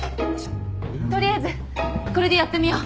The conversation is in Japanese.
取りあえずこれでやってみよう。